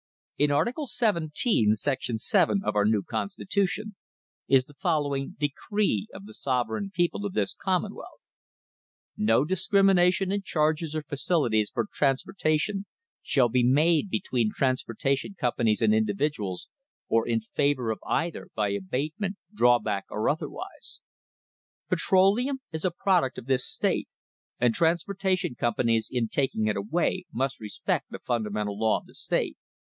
In Article 17, Section 7, of our new constitution is the following decree of the sovereign people of this commonwealth: "No discrimination in charges or facilities for trans portation shall be made between transportation companies and individuals, or in favour of either, by abatement, drawback or otherwise." Petroleum is a product of this state, and transportation companies in taking it away must respect the fundamental law of the state.